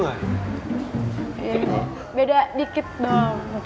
iya beda dikit doang